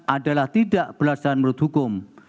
adalah tidak berdasarkan menurut hukum